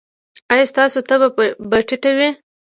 ایا ستاسو تبه به ټیټه وي؟